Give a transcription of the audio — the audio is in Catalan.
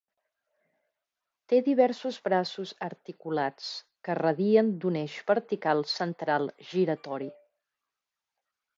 Té diversos braços articulats que radien d'un eix vertical central giratori.